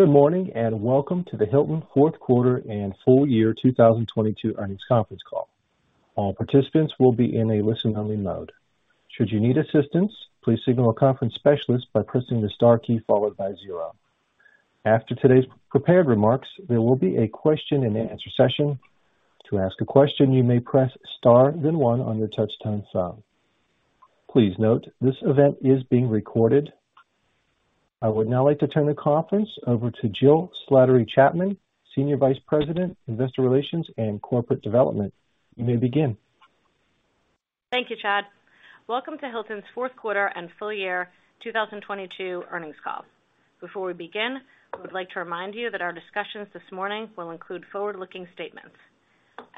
Good morning. Welcome to the Hilton fourth quarter and full-year 2022 earnings conference call. All participants will be in a listen-only mode. Should you need assistance, please signal a conference specialist by pressing the star key followed by zero. After today's prepared remarks, there will be a question and answer session. To ask a question, you may press Star then one on your touch-tone phone. Please note this event is being recorded. I would now like to turn the conference over to Jill Slattery Chapman, Senior Vice President, Investor Relations and Corporate Development. You may begin. Thank you, Chad. Welcome to Hilton's fourth quarter and full-year 2022 earnings call. Before we begin, I would like to remind you that our discussions this morning will include forward-looking statements.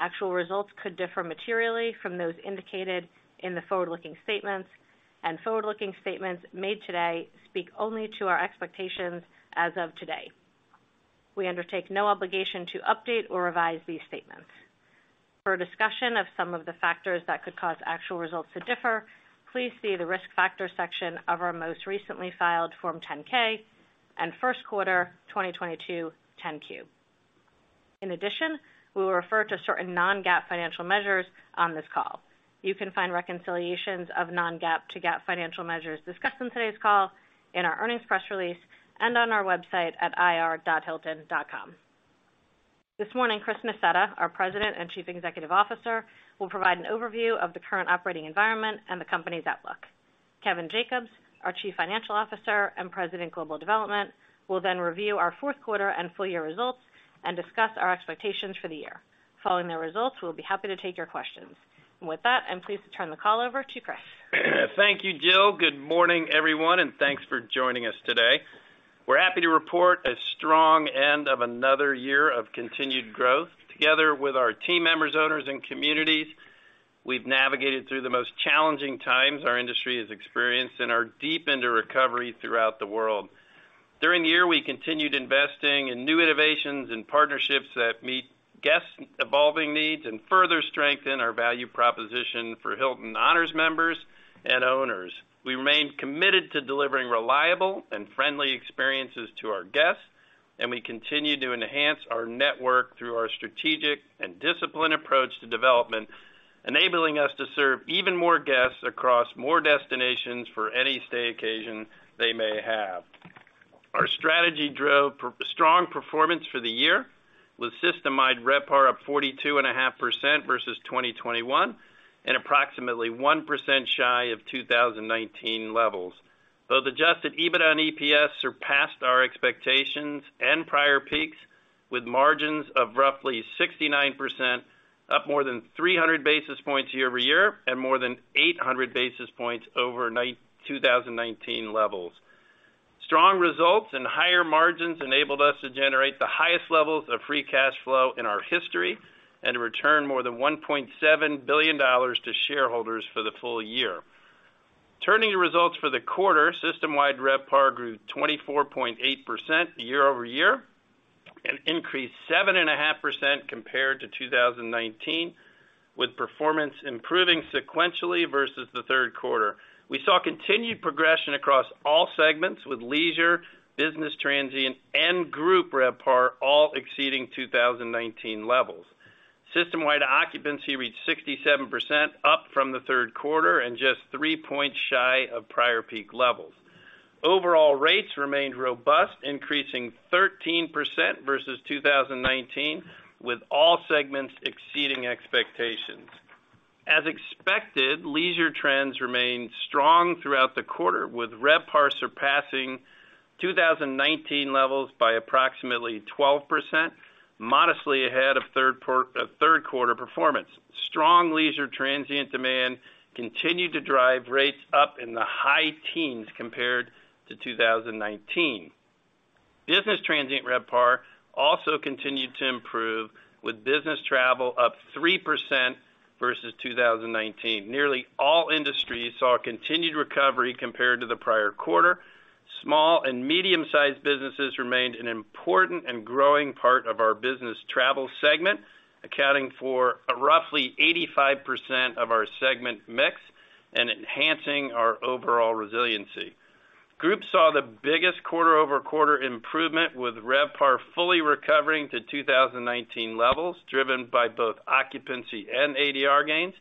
Actual results could differ materially from those indicated in the forward-looking statements, and forward-looking statements made today speak only to our expectations as of today. We undertake no obligation to update or revise these statements. For a discussion of some of the factors that could cause actual results to differ, please see the Risk Factors section of our most recently filed Form 10-K and first quarter 2022 10-Q. In addition, we will refer to certain non-GAAP financial measures on this call. You can find reconciliations of non-GAAP to GAAP financial measures discussed on today's call in our earnings press release and on our website at ir.hilton.com. This morning, Chris Nassetta, our President and Chief Executive Officer, will provide an overview of the current operating environment and the company's outlook. Kevin Jacobs, our Chief Financial Officer and President, Global Development, will then review our fourth quarter and full-year results and discuss our expectations for the year. Following their results, we'll be happy to take your questions. With that, I'm pleased to turn the call over to Chris. Thank you, Jill. Good morning, everyone, and thanks for joining us today. We're happy to report a strong end of another year of continued growth. Together with our team members, owners, and communities, we've navigated through the most challenging times our industry has experienced and are deep into recovery throughout the world. During the year, we continued investing in new innovations and partnerships that meet guests' evolving needs and further strengthen our value proposition for Hilton Honors members and owners. We remain committed to delivering reliable and friendly experiences to our guests, and we continue to enhance our network through our strategic and disciplined approach to development, enabling us to serve even more guests across more destinations for any stay occasion they may have. Our strategy drove strong performance for the year, with system-wide RevPAR up 42.5% versus 2021, and approximately 1% shy of 2019 levels. Both adjusted EBITDA and EPS surpassed our expectations and prior peaks, with margins of roughly 69%, up more than 300 basis points year-over-year, and more than 800 basis points over 2019 levels. Strong results and higher margins enabled us to generate the highest levels of free cash flow in our history and to return more than $1.7 billion to shareholders for the full-year. Turning to results for the quarter, system-wide RevPAR grew 24.8% year-over-year and increased 7.5% compared to 2019, with performance improving sequentially versus the third quarter. We saw continued progression across all segments, with leisure, business transient, and group RevPAR all exceeding 2019 levels. System-wide occupancy reached 67%, up from the third quarter and just three points shy of prior peak levels. Overall rates remained robust, increasing 13% versus 2019, with all segments exceeding expectations. As expected, leisure trends remained strong throughout the quarter, with RevPAR surpassing 2019 levels by approximately 12%, modestly ahead of third quarter performance. Strong leisure transient demand continued to drive rates up in the high teens compared to 2019. Business transient RevPAR also continued to improve, with business travel up 3% versus 2019. Nearly all industries saw a continued recovery compared to the prior quarter. Small and medium-sized businesses remained an important and growing part of our business travel segment, accounting for roughly 85% of our segment mix and enhancing our overall resiliency. Group saw the biggest quarter-over-quarter improvement, with RevPAR fully recovering to 2019 levels, driven by both occupancy and ADR gains.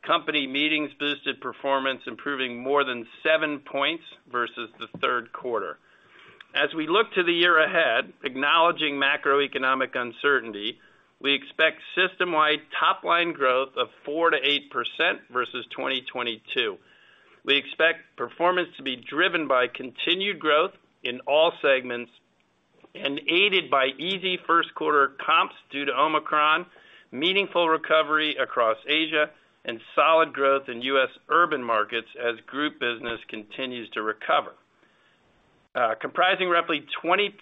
Company meetings boosted performance, improving more than seven points versus the third quarter. As we look to the year ahead, acknowledging macroeconomic uncertainty, we expect system-wide top line growth of 4%-8% versus 2022. We expect performance to be driven by continued growth in all segments and aided by easy first quarter comps due to Omicron, meaningful recovery across Asia, and solid growth in U.S. urban markets as group business continues to recover. Comprising roughly 20%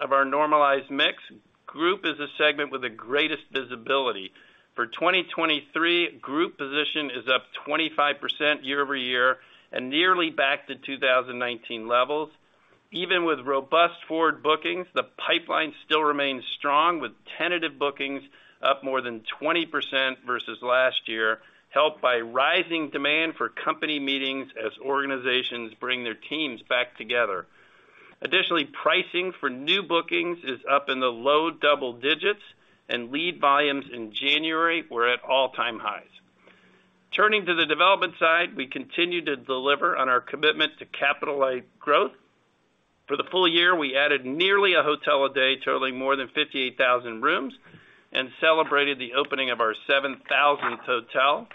of our normalized mix, group is a segment with the greatest visibility. For 2023, group position is up 25% year-over-year and nearly back to 2019 levels. Even with robust forward bookings, the pipeline still remains strong, with tentantive bookings up more than 20% versus last year, helped by rising demand for company meetings as organizations bring their teams back together. Additionally, pricing for new bookings is up in the low double digits, and lead volumes in January were at all-time highs. Turning to the development side, we continue to deliver on our commitment to capitalize growth. For the full-year, we added nearly a hotel a day, totaling more than 58,000 rooms, and celebrated the opening of our 7,000th hotel.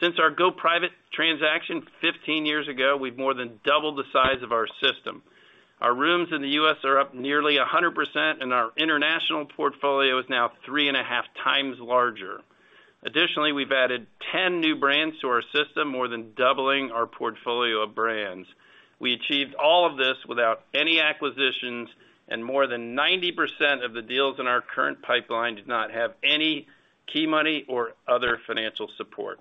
Since our go-private transaction 15 years ago, we've more than doubled the size of our system. Our rooms in the U.S. are up nearly 100%, and our international portfolio is now 3.5x larger. Additionally, we've added 10 new brands to our system, more than doubling our portfolio of brands. We achieved all of this without any acquisitions, and more than 90% of the deals in our current pipeline did not have any key money or other financial support.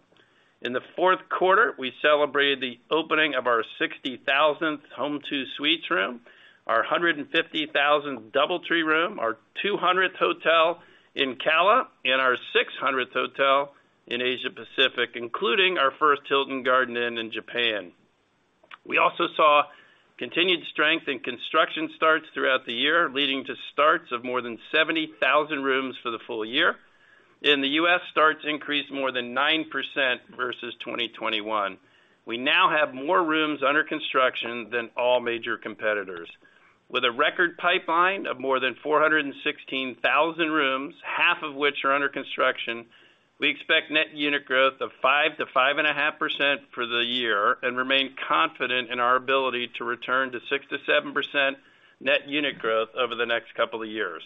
In the fourth quarter, we celebrated the opening of our 60,000th Home2 Suites room, our 150,000th DoubleTree room, our 200th hotel in Cancun, and our 600th hotel in Asia Pacific, including our first Hilton Garden Inn in Japan. We also saw continued strength in construction starts throughout the year, leading to starts of more than 70,000 rooms for the full-year. In the U.S., starts increased more than 9% versus 2021. We now have more rooms under construction than all major competitors. With a record pipeline of more than 416,000 rooms, half of which are under construction, we expect net unit growth of 0.5%-5.5% for the year, and remain confident in our ability to return to 6%-7% net unit growth over the next couple of years.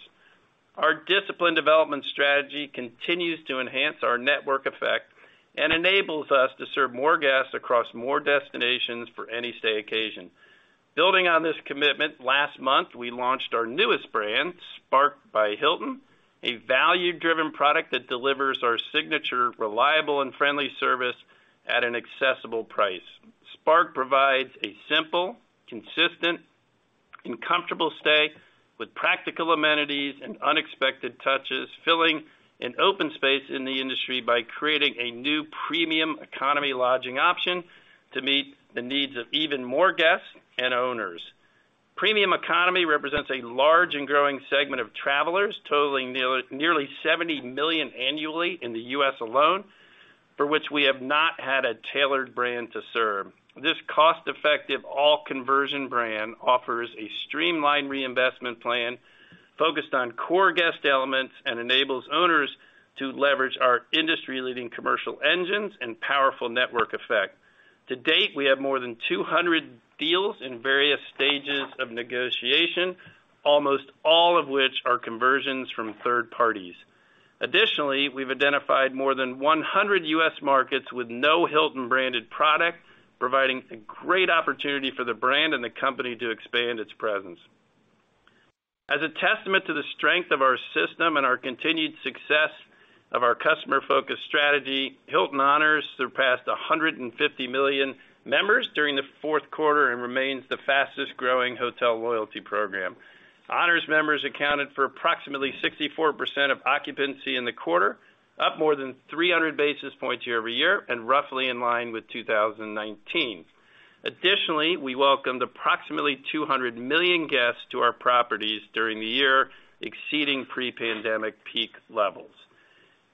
Our disciplined development strategy continues to enhance our network effect and enables us to serve more guests across more destinations for any stay occasion. Building on this commitment, last month, we launched our newest brand, Spark by Hilton, a value-driven product that delivers our signature reliable and friendly service at an accessible price. Spark provides a simple, consistent, and comfortable stay with practical amenities and unexpected touches, filling an open space in the industry by creating a new premium economy lodging option to meet the needs of even more guests and owners. Premium economy represents a large and growing segment of travelers, totaling nearly 70 million annually in the U.S. alone, for which we have not had a tailored brand to serve. This cost-effective all conversion brand offers a streamlined reinvestment plan focused on core guest elements and enables owners to leverage our industry-leading commercial engines and powerful network effect. To date, we have more than 200 deals in various stages of negotiation, almost all of which are conversions from third parties. We've identified more than 100 U.S. markets with no Hilton-branded product, providing a great opportunity for the brand and the company to expand its presence. As a testament to the strength of our system and our continued success of our customer-focused strategy, Hilton Honors surpassed 150 million members during the fourth quarter and remains the fastest-growing hotel loyalty program. Honors members accounted for approximately 64% of occupancy in the quarter, up more than 300 basis points year-over-year and roughly in line with 2019. Additionally, we welcomed approximately 200 million guests to our properties during the year, exceeding pre-pandemic peak levels.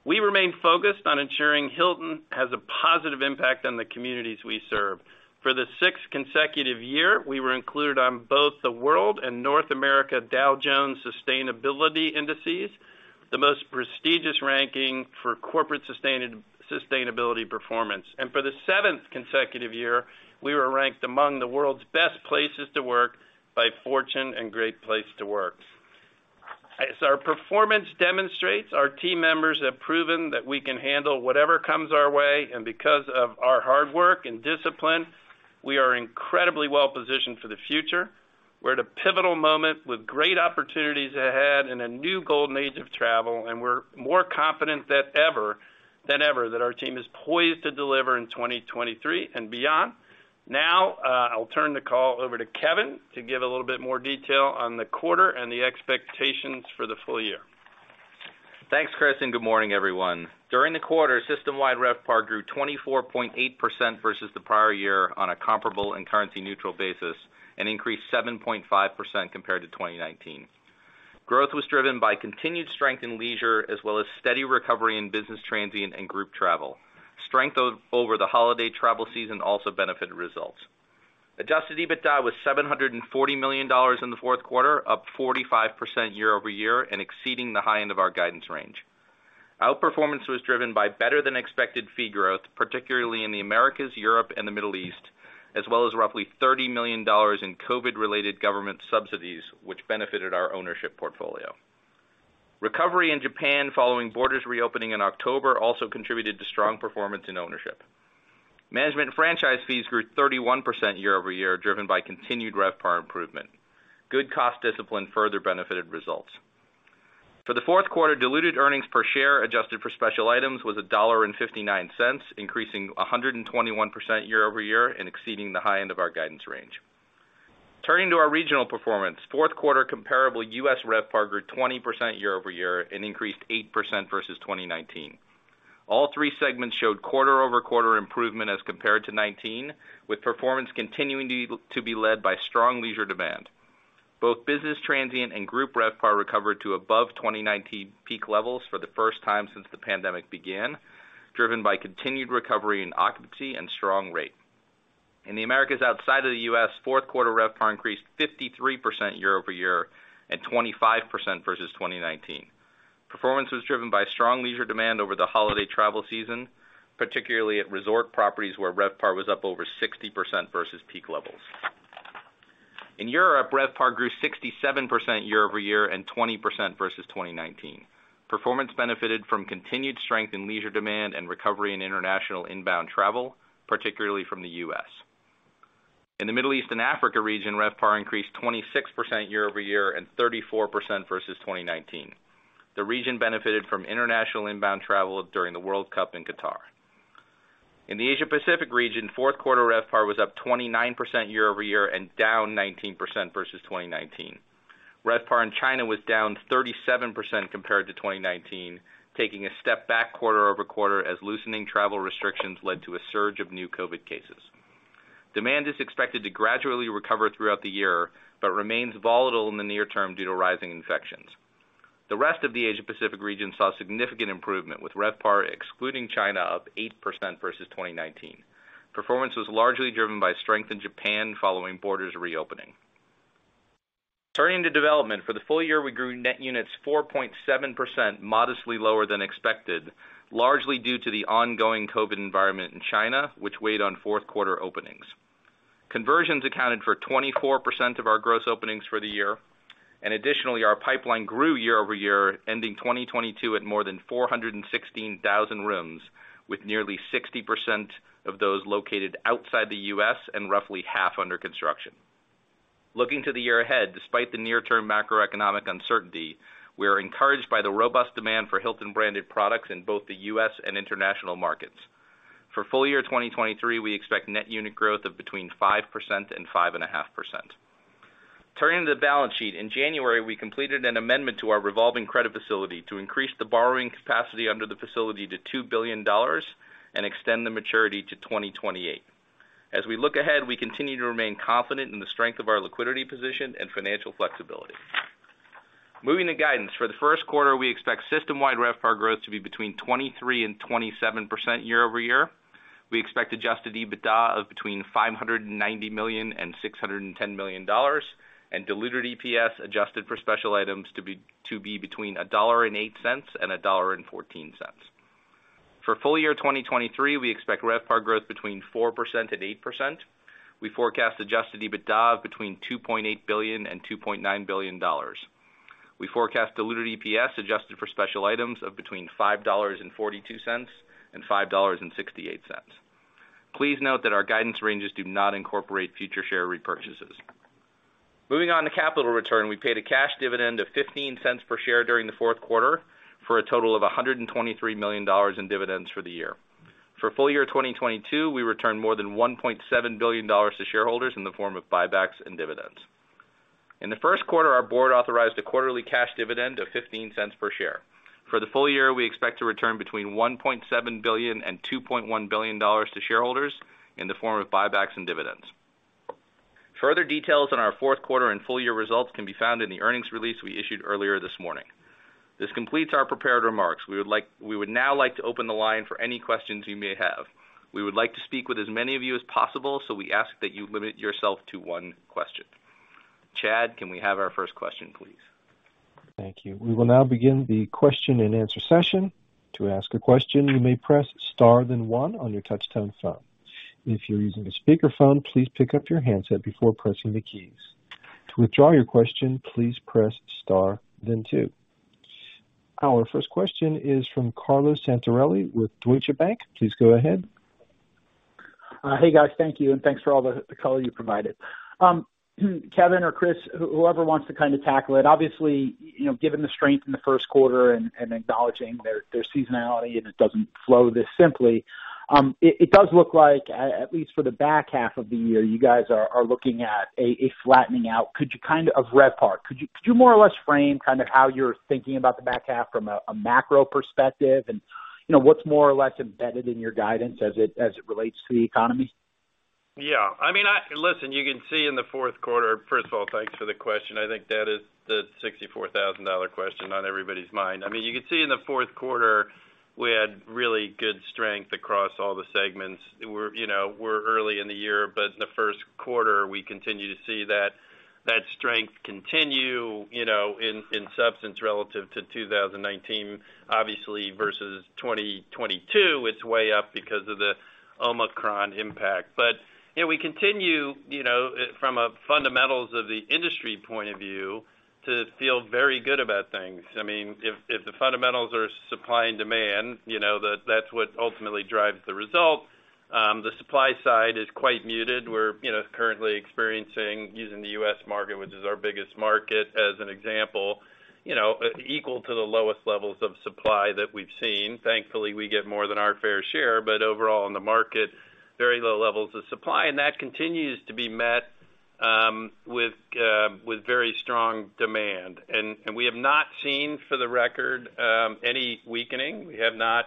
We remain focused on ensuring Hilton has a positive impact on the communities we serve. For the sixth consecutive year, we were included on both the World and North America Dow Jones Sustainability Indices, the most prestigious ranking for corporate sustainability performance. For the seventh consecutive year, we were ranked among the world's best places to work by Fortune and Great Place to Work. As our performance demonstrates, our team members have proven that we can handle whatever comes our way, and because of our hard work and discipline, we are incredibly well positioned for the future. We're at a pivotal moment with great opportunities ahead in a new golden age of travel, and we're more confident than ever that our team is poised to deliver in 2023 and beyond. I'll turn the call over to Kevin to give a little bit more detail on the quarter and the expectations for the full-year. Thanks, Chris. Good morning, everyone. During the quarter, system-wide RevPAR grew 24.8% versus the prior year on a comparable and currency-neutral basis and increased 7.5% compared to 2019. Growth was driven by continued strength in leisure as well as steady recovery in business transient and group travel. Strength over the holiday travel season also benefited results. Adjusted EBITDA was $740 million in the fourth quarter, up 45% year-over-year and exceeding the high end of our guidance range. Outperformance was driven by better than expected fee growth, particularly in the Americas, Europe, and the Middle East, as well as roughly $30 million in COVID-related government subsidies, which benefited our ownership portfolio. Recovery in Japan following borders reopening in October also contributed to strong performance in ownership. Management and franchise fees grew 31% year-over-year, driven by continued RevPAR improvement. Good cost discipline further benefited results. For the fourth quarter, diluted earnings per share adjusted for special items was $1.59, increasing 121% year-over-year and exceeding the high end of our guidance range. Turning to our regional performance, fourth quarter comparable U.S. RevPAR grew 20% year-over-year and increased 8% versus 2019. All three segments showed quarter-over-quarter improvement as compared to 2019, with performance continuing to be led by strong leisure demand. Both business transient and group RevPAR recovered to above 2019 peak levels for the first time since the pandemic began, driven by continued recovery in occupancy and strong rate. In the Americas outside of the U.S., fourth quarter RevPAR increased 53% year-over-year and 25% versus 2019. Performance was driven by strong leisure demand over the holiday travel season, particularly at resort properties, where RevPAR was up over 60% versus peak levels. In Europe, RevPAR grew 67% year-over-year and 20% versus 2019. Performance benefited from continued strength in leisure demand and recovery in international inbound travel, particularly from the U.S. In the Middle East and Africa region, RevPAR increased 26% year-over-year and 34% versus 2019. The region benefited from international inbound travel during the World Cup in Qatar. In the Asia Pacific region, fourth quarter RevPAR was up 29% year-over-year and down 19% versus 2019. RevPAR in China was down 37% compared to 2019, taking a step back quarter-over-quarter as loosening travel restrictions led to a surge of new COVID cases. Demand is expected to gradually recover throughout the year, but remains volatile in the near term due to rising infections. The rest of the Asia Pacific region saw significant improvement, with RevPAR excluding China up 8% versus 2019. Performance was largely driven by strength in Japan following borders reopening. Turning to development. For the full-year, we grew net units 4.7%, modestly lower than expected, largely due to the ongoing COVID environment in China, which weighed on Q4 openings. Conversions accounted for 24% of our gross openings for the year. Additionally, our pipeline grew year-over-year, ending 2022 at more than 416,000 rooms, with nearly 60% of those located outside the U.S. and roughly half under construction. Looking to the year ahead, despite the near-term macroeconomic uncertainty, we are encouraged by the robust demand for Hilton branded products in both the U.S. and international markets. For full-year 2023, we expect net unit growth of between 5% and 5.5%. Turning to the balance sheet, in January, we completed an amendment to our revolving credit facility to increase the borrowing capacity under the facility to $2 billion and extend the maturity to 2028. As we look ahead, we continue to remain confident in the strength of our liquidity position and financial flexibility. Moving to guidance. For the first quarter, we expect systemwide RevPAR growth to be between 23% and 27% year-over-year. We expect adjusted EBITDA of between $590 million and $610 million, and diluted EPS adjusted for special items to be between $1.8 and $1.14. For full-year 2023, we expect RevPAR growth between 4% and 8%. We forecast adjusted EBITDA of between $2.8 billion and $2.9 billion. We forecast diluted EPS adjusted for special items of between $5.42 and $5.68. Please note that our guidance ranges do not incorporate future share repurchases. Moving on to capital return. We paid a cash dividend of $0.15 per share during the fourth quarter, for a total of $123 million in dividends for the year. For full-year 2022, we returned more than $1.7 billion to shareholders in the form of buybacks and dividends. In the first quarter, our board authorized a quarterly cash dividend of $0.15 per share. For the full-year, we expect to return between $1.7 billion and $2.1 billion to shareholders in the form of buybacks and dividends. Further details on our fourth quarter and full-year results can be found in the earnings release we issued earlier this morning. This completes our prepared remarks. We would now like to open the line for any questions you may have. We would like to speak with as many of you as possible, so we ask that you limit yourself to one question. Chad, can we have our first question, please? Thank you. We will now begin the question and answer session. To ask a question, you may press star then one on your touchtone phone. If you're using a speakerphone, please pick up your handset before pressing the keys. To withdraw your question, please press star then two. Our first question is from Carlo Santarelli with Deutsche Bank. Please go ahead. Hey, guys. Thank you, and thanks for all the color you provided. Kevin or Chris, whoever wants to kind of tackle it. Obviously, you know, given the strength in the first quarter and acknowledging there's seasonality and it doesn't flow this simply, it does look like at least for the back half of the year, you guys are looking at a flattening out. Of RevPAR. Could you more or less frame kind of how you're thinking about the back half from a macro perspective? You know, what's more or less embedded in your guidance as it relates to the economy? I mean, listen, you can see in the fourth quarter. First of all, thanks for the question. I think that is the $64,000 question on everybody's mind. I mean, you could see in the fourth quarter we had really good strength across all the segments. We're, you know, early in the year, in the first quarter we continue to see that strength continue, you know, in substance relative to 2019. Obviously, versus 2022, it's way up because of the Omicron impact. You know, we continue, you know, from a fundamentals of the industry point of view, to feel very good about things. I mean, if the fundamentals are supply and demand, you know, that's what ultimately drives the result. The supply side is quite muted. We're, you know, currently experiencing, using the U.S. market, which is our biggest market, as an example, you know, equal to the lowest levels of supply that we've seen. Thankfully, we get more than our fair share, but overall in the market, very low levels of supply, and that continues to be met. With very strong demand. We have not seen, for the record, any weakening. We have not,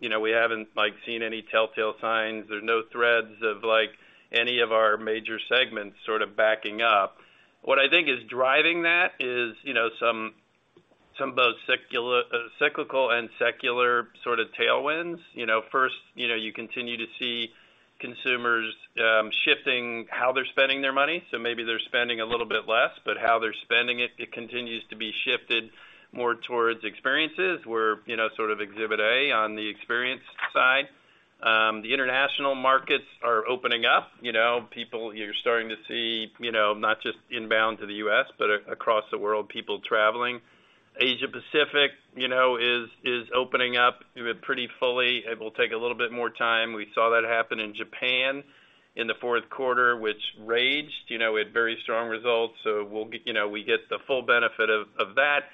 you know, we haven't, like, seen any telltale signs. There's no threads of, like, any of our major segments sort of backing up. What I think is driving that is, you know, some both cyclical and secular sort of tailwinds. You know, first, you know, you continue to see consumers, shifting how they're spending their money, so maybe they're spending a little bit less, but how they're spending it continues to be shifted more towards experiences. We're, you know, sort of exhibit A on the experience side. The international markets are opening up. You know, You're starting to see, you know, not just inbound to the U.S., but across the world, people traveling. Asia-Pacific, you know, is opening up, you know, pretty fully. It will take a little bit more time. We saw that happen in Japan in the fourth quarter, which raged. You know, we had very strong results, we get the full benefit of that.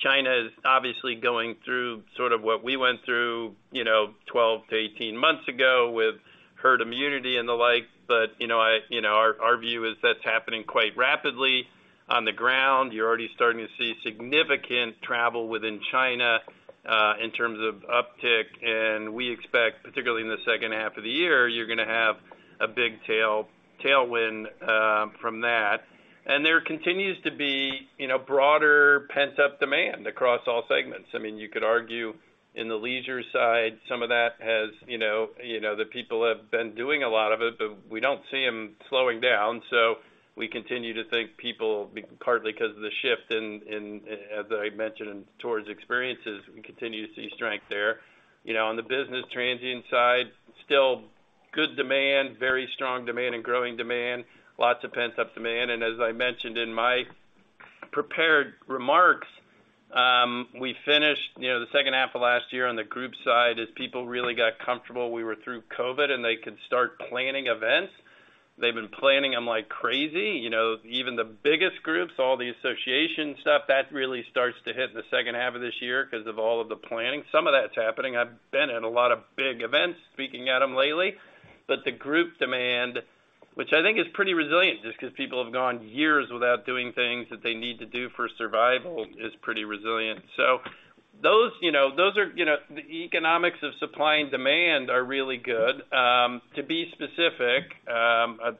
China is obviously going through sort of what we went through, you know, 12-18 months ago with herd immunity and the like, you know, our view is that's happening quite rapidly on the ground. You're already starting to see significant travel within China, in terms of uptick, we expect, particularly in the second half of the year, you're gonna have a big tailwind from that. There continues to be, you know, broader pent-up demand across all segments. I mean, you could argue in the leisure side, some of that has, you know, you know, the people have been doing a lot of it, but we don't see them slowing down, so we continue to think people, partly 'cause of the shift in, as I mentioned, towards experiences, we continue to see strength there. You know, on the business transient side, still good demand, very strong demand and growing demand. Lots of pent-up demand. As I mentioned in my prepared remarks, we finished, you know, the second half of last year on the group side as people really got comfortable we were through COVID and they could start planning events. They've been planning them like crazy. You know, even the biggest groups, all the association stuff, that really starts to hit in the second half of this year 'cause of all of the planning. Some of that's happening. I've been at a lot of big events, speaking at them lately. The group demand, which I think is pretty resilient, just 'cause people have gone years without doing things that they need to do for survival, is pretty resilient. Those, you know, those are, you know. The economics of supply and demand are really good. To be specific,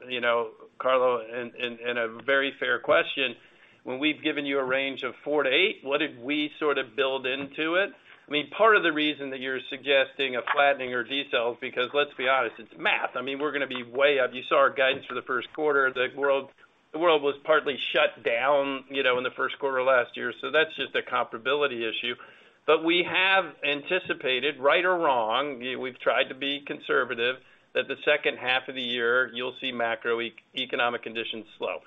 you know, Carlo, and a very fair question, when we've given you a range of 4-8, what did we sort of build into it? I mean, part of the reason that you're suggesting a flattening or detail is because let's be honest, it's math. I mean, we're gonna be way up. You saw our guidance for the first quarter. The world was partly shut down, you know, in the first quarter of last year. That's just a comparability issue. We have anticipated, right or wrong, we've tried to be conservative, that the second half of the year you'll see macroeconomic conditions slow.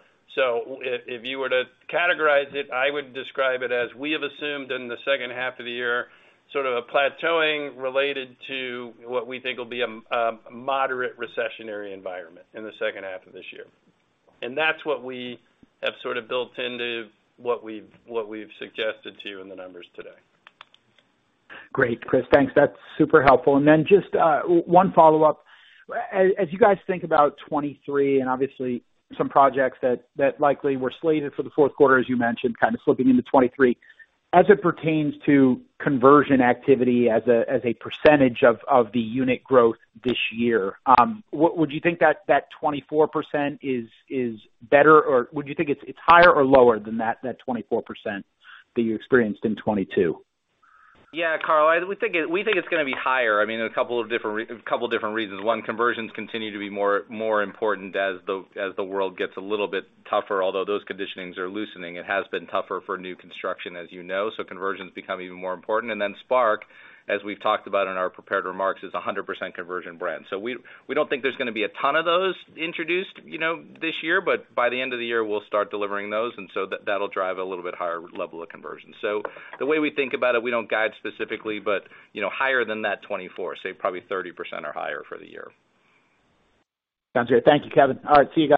If you were to categorize it, I would describe it as we have assumed in the second half of the year sort of a plateauing related to what we think will be a moderate recessionary environment in the second half of this year. That's what we have sort of built into what we've suggested to you in the numbers today. Great, Chris. Thanks. That's super helpful. Just one follow-up. As you guys think about 2023, and obviously some projects that likely were slated for the fourth quarter, as you mentioned, kind of slipping into 2023, as it pertains to conversion activity as a percentage of the unit growth this year, would you think that 24% is better, or would you think it's higher or lower than that 24% that you experienced in 2022? Yeah, Carlo, we think it's gonna be higher. I mean, a couple different reasons. One, conversions continue to be more important as the, as the world gets a little bit tougher, although those conditionings are loosening. It has been tougher for new construction, as you know, so conversions become even more important. Spark, as we've talked about in our prepared remarks, is a 100% conversion brand. We don't think there's gonna be a ton of those introduced, you know, this year, but by the end of the year, we'll start delivering those, and that'll drive a little bit higher level of conversion. The way we think about it, we don't guide specifically, but, you know, higher than that 24. Say, probably 30% or higher for the year. Sounds good. Thank you, Kevin. All right, see you guys.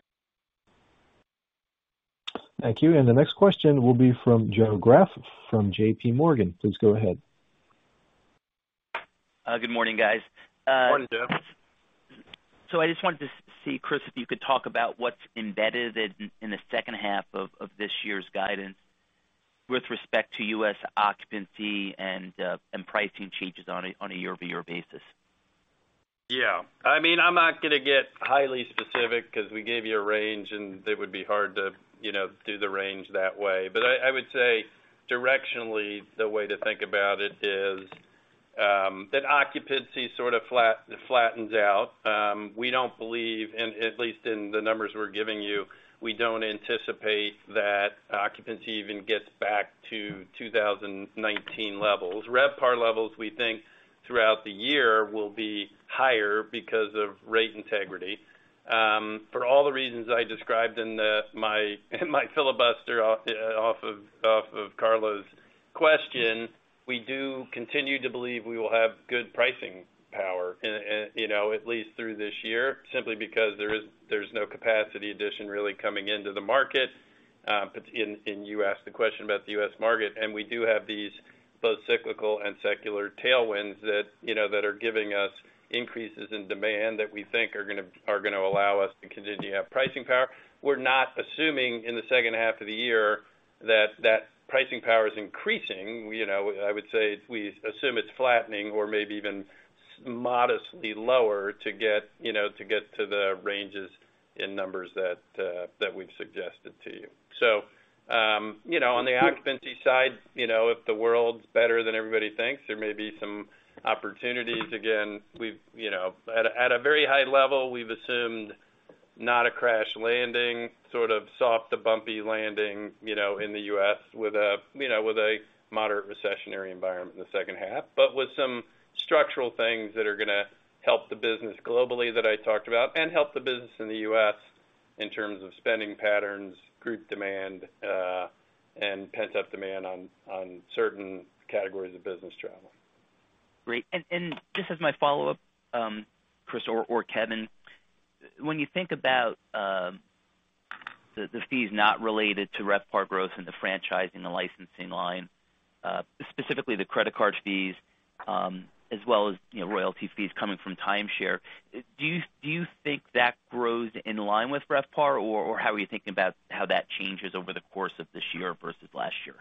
Thank you. The next question will be from Joe Greff from JPMorgan. Please go ahead. Good morning, guys. Morning, Joe. I just wanted to see, Chris, if you could talk about what's embedded in the second half of this year's guidance with respect to U.S. occupancy and pricing changes on a year-over-year basis? Yeah. I mean, I'm not gonna get highly specific 'cause we gave you a range, and it would be hard to, you know, do the range that way. I would say directionally, the way to think about it is that occupancy sort of flattens out. We don't believe in, at least in the numbers we're giving you, we don't anticipate that occupancy even gets back to 2019 levels. RevPAR levels, we think, throughout the year will be higher because of rate integrity. For all the reasons I described in my filibuster off of Carlo's question, we do continue to believe we will have good pricing power, you know, at least through this year, simply because there's no capacity addition really coming into the market. You asked the question about the U.S. market, and we do have these both cyclical and secular tailwinds that, you know, that are giving us increases in demand that we think are gonna allow us to continue to have pricing power. We're not assuming in the second half of the year that that pricing power is increasing. You know, I would say we assume it's flattening or maybe even modestly lower to get, you know, to get to the ranges in numbers that we've suggested to you. You know, on the occupancy side, you know, if the world's better than everybody thinks, there may be some opportunities. Again, we've, you know, at a very high level, we've assumed not a crash landing, sort of soft to bumpy landing, you know, in the U.S. with a, you know, with a moderate recessionary environment in the second half, but with some structural things that are going to help the business globally that I talked about and help the business in the U.S. in terms of spending patterns, group demand, and pent-up demand on certain categories of business travel. Great. Just as my follow-up, Chris or Kevin, when you think about the fees not related to RevPAR growth in the franchising and licensing line, specifically the credit card fees, as well as, you know, royalty fees coming from timeshare, do you think that grows in line with RevPAR, or how are you thinking about how that changes over the course of this year versus last year?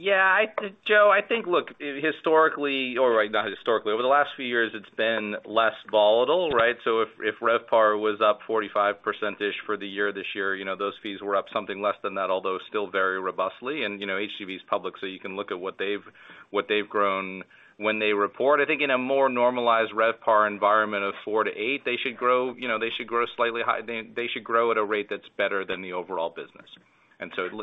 Yeah. Joe, I think, look, historically or not historically, over the last few years, it's been less volatile, right? If, if RevPAR was up 45%-ish for the year this year, you know, those fees were up something less than that, although still very robustly. You know, HGV is public, so you can look at what they've grown when they report. I think in a more normalized RevPAR environment of 4%-8%, they should grow, you know, they should grow slightly high-- they should grow at a rate that's better than the overall business.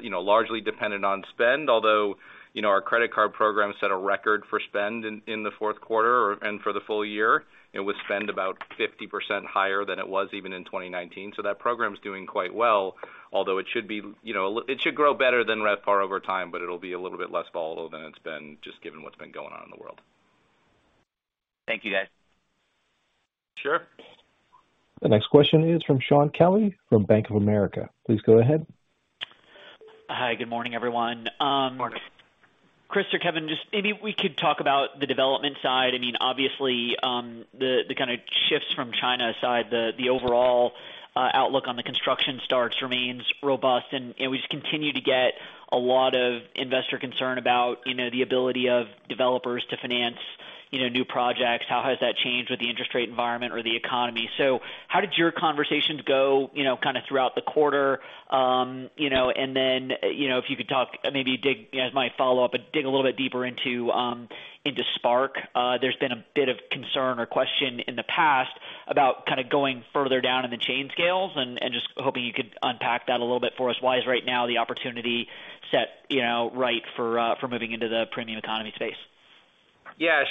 You know, largely dependent on spend. Although, you know, our credit card program set a record for spend in the fourth quarter and for the full-year. It was spend about 50% higher than it was even in 2019. That program is doing quite well, although it should be, you know, it should grow better than RevPAR over time, but it'll be a little bit less volatile than it's been just given what's been going on in the world. Thank you, guys. Sure. The next question is from Shaun Kelley from Bank of America. Please go ahead. Hi. Good morning, everyone. Morning. Chris or Kevin, just maybe we could talk about the development side. I mean, obviously, the kind of shifts from China side, the overall outlook on the construction starts remains robust, and, you know, we just continue to get a lot of investor concern about, you know, the ability of developers to finance, you know, new projects. How has that changed with the interest rate environment or the economy? How did your conversations go, you know, kind of throughout the quarter? And then, you know, if you could talk, maybe dig, as my follow-up, dig a little bit deeper into Spark. There's been a bit of concern or question in the past about kind of going further down in the chain scales, and just hoping you could unpack that a little bit for us. Why is right now the opportunity set, you know, right for moving into the premium economy space? Yeah,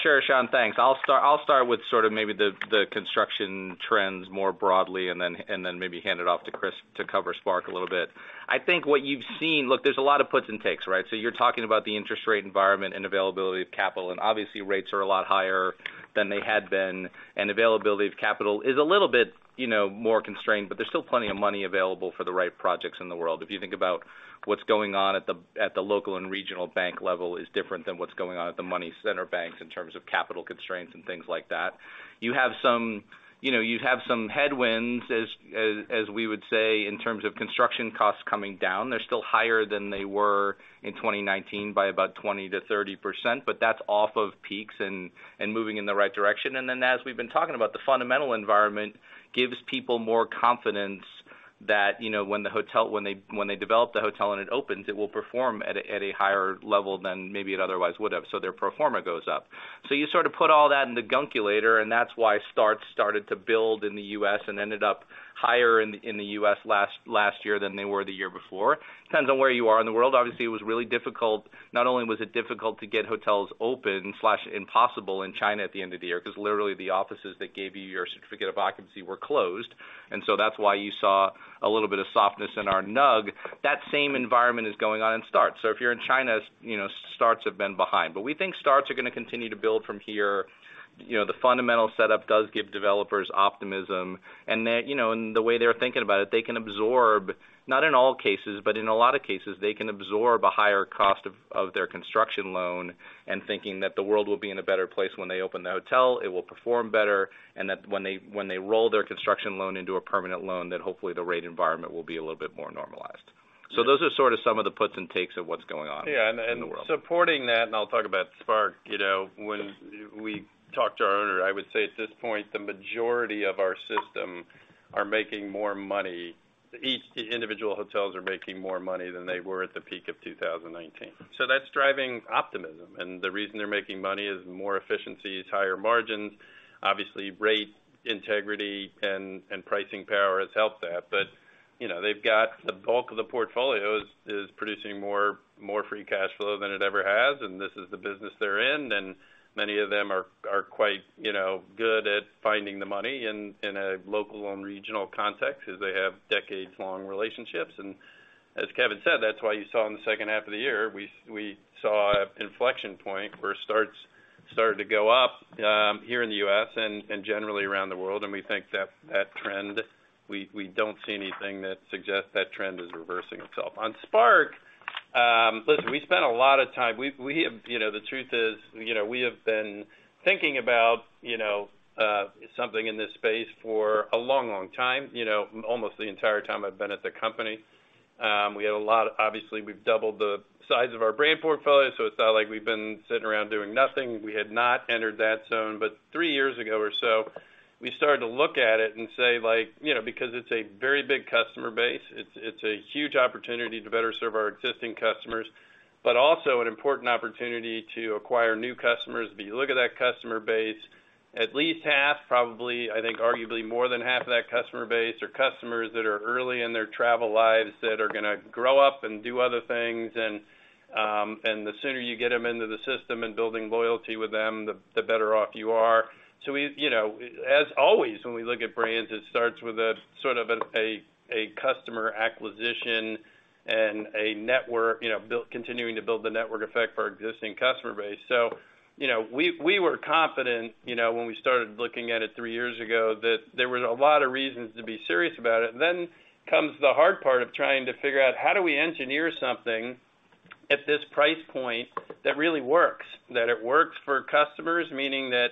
sure. Shaun, thanks. I'll start with sort of maybe the construction trends more broadly and then maybe hand it off to Chris to cover Spark a little bit. I think what you've seen. Look, there's a lot of puts and takes, right? You're talking about the interest rate environment and availability of capital, and obviously rates are a lot higher than they had been, and availability of capital is a little bit, you know, more constrained, but there's still plenty of money available for the right projects in the world. If you think about what's going on at the local and regional bank level is different than what's going on at the money center banks in terms of capital constraints and things like that. You have some, you know, you have some headwinds, as we would say, in terms of construction costs coming down. They're still higher than they were in 2019 by about 20%-30%, but that's off of peaks and moving in the right direction. As we've been talking about, the fundamental environment gives people more confidence that, you know, when they develop the hotel and it opens, it will perform at a higher level than maybe it otherwise would have. Their pro forma goes up. You sort of put all that in the gunkulator, and that's why starts started to build in the U.S. and ended up higher in the U.S. last year than they were the year before. Depends on where you are in the world. Obviously, it was really difficult. Not only was it difficult to get hotels open/impossible in China at the end of the year because literally the offices that gave you your certificate of occupancy were closed. That's why you saw a little bit of softness in our NUG. That same environment is going on in starts. If you're in China, you know, starts have been behind. We think starts are gonna continue to build from here. You know, the fundamental setup does give developers optimism. That, you know, and the way they're thinking about it, they can absorb, not in all cases, but in a lot of cases, they can absorb a higher cost of their construction loan and thinking that the world will be in a better place when they open the hotel, it will perform better, and that when they roll their construction loan into a permanent loan, that hopefully the rate environment will be a little bit more normalized. Those are sort of some of the puts and takes of what's going on in the world. Supporting that, I'll talk about Spark. You know, when we talk to our owner, I would say at this point, the majority of our system are making more money. Each individual hotels are making more money than they were at the peak of 2019. That's driving optimism. The reason they're making money is more efficiencies, higher margins. Obviously, rate integrity and pricing power has helped that. You know, they've got the bulk of the portfolios is producing more free cash flow than it ever has, and this is the business they're in, and many of them are quite, you know, good at finding the money in a local and regional context as they have decades-long relationships. As Kevin said, that's why you saw in the second half of the year, we saw a inflection point where started to go up here in the U.S. and generally around the world. We think that trend, we don't see anything that suggests that trend is reversing itself. On Spark, listen, we spent a lot of time. We have, you know, the truth is, you know, we have been thinking about, you know, something in this space for a long, long time, you know, almost the entire time I've been at the company. We had a lot of... obviously, we've doubled the size of our brand portfolio, so it's not like we've been sitting around doing nothing. We had not entered that zone. Three years ago or so, we started to look at it and say like, you know, because it's a very big customer base, it's a huge opportunity to better serve our existing customers, but also an important opportunity to acquire new customers. If you look at that customer base, at least half, probably, I think, arguably, more than half of that customer base are customers that are early in their travel lives that are gonna grow up and do other things. The sooner you get them into the system and building loyalty with them, the better off you are. We, you know, as always, when we look at brands, it starts with a sort of a customer acquisition and a network, you know, continuing to build the network effect for our existing customer base. you know, we were confident, you know, when we started looking at it three years ago, that there was a lot of reasons to be serious about it. Comes the hard part of trying to figure out how do we engineer something at this price point that really works, that it works for customers, meaning that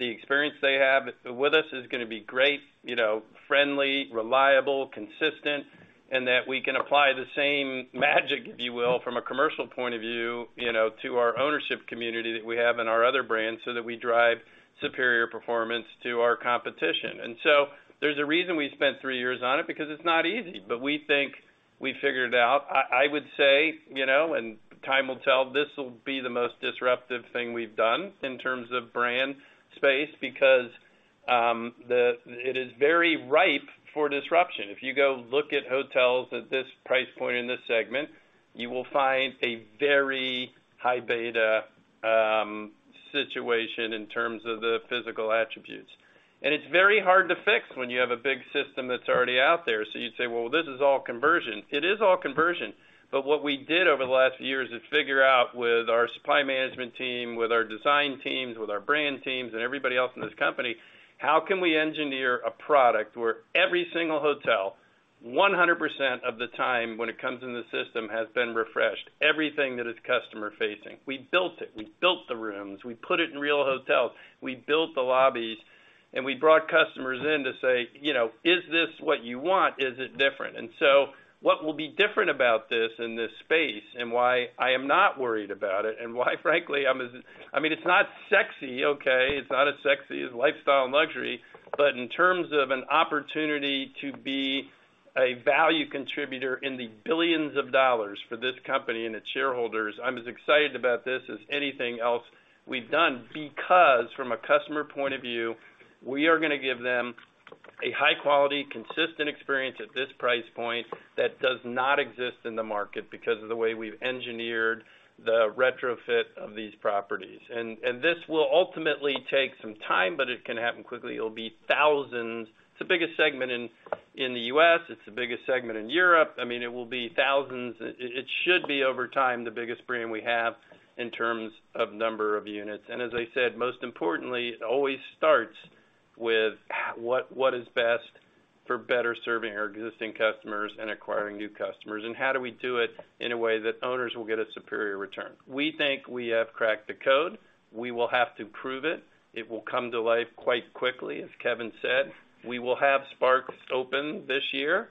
the experience they have with us is gonna be great, you know, friendly, reliable, consistent, and that we can apply the same magic, if you will, from a commercial point of view, you know, to our ownership community that we have in our other brands so that we drive superior performance to our competition. There's a reason we spent three years on it, because it's not easy. We think we figured it out. I would say, you know, and time will tell, this will be the most disruptive thing we've done in terms of brand space because it is very ripe for disruption. If you go look at hotels at this price point in this segment, you will find a very high beta situation in terms of the physical attributes. It's very hard to fix when you have a big system that's already out there. You'd say, "Well, this is all conversion." It is all conversion. What we did over the last few years is figure out with our supply management team, with our design teams, with our brand teams and everybody else in this company, how can we engineer a product where every single hotel, 100% of the time when it comes in the system, has been refreshed, everything that is customer-facing. We built it. We built the rooms. We put it in real hotels. We built the lobbies, and we brought customers in to say, you know, "Is this what you want? Is it different?" What will be different about this in this space and why I am not worried about it and why, frankly, I mean, it's not sexy, okay? It's not as sexy as lifestyle and luxury. But in terms of an opportunity to be a value contributor in the billions of dollars for this company and its shareholders, I'm as excited about this as anything else we've done, because from a customer point of view, we are gonna give them a high quality, consistent experience at this price point that does not exist in the market because of the way we've engineered the retrofit of these properties. This will ultimately take some time, but it can happen quickly. It'll be thousands. It's the biggest segment in the U.S. It's the biggest segment in Europe. I mean, it will be thousands. It should be over time, the biggest brand we have in terms of number of units. As I said, most importantly, it always starts with what is best for better serving our existing customers and acquiring new customers, and how do we do it in a way that owners will get a superior return. We think we have cracked the code. We will have to prove it. It will come to life quite quickly, as Kevin said. We will have Sparks open this year.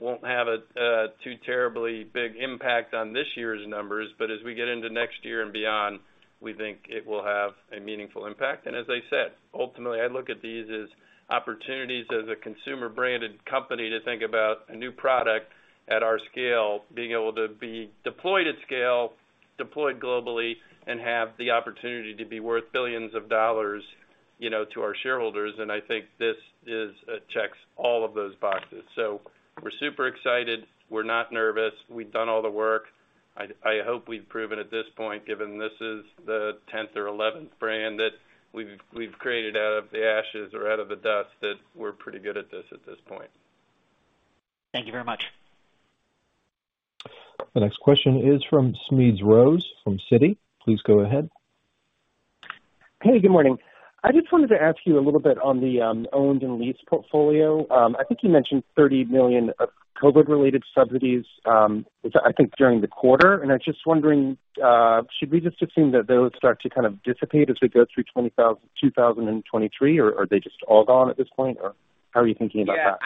Won't have a too terribly big impact on this year's numbers, but as we get into next year and beyond, we think it will have a meaningful impact. As I said, ultimately, I look at these as opportunities as a consumer-branded company to think about a new product at our scale, being able to be deployed at scale, deployed globally, and have the opportunity to be worth billions of dollars, you know, to our shareholders. I think this is checks all of those boxes. We're super excited. We're not nervous. We've done all the work. I hope we've proven at this point, given this is the 10th or 11th brand that we've created out of the ashes or out of the dust, that we're pretty good at this at this point. Thank you very much. The next question is from Smedes Rose from Citi. Please go ahead. Hey, good morning. I just wanted to ask you a little bit on the owned and leased portfolio. I think you mentioned $30 million of COVID-related subsidies, I think, during the quarter. I'm just wondering, should we just assume that those start to kind of dissipate as we go through 2023, or are they just all gone at this point, or how are you thinking about that?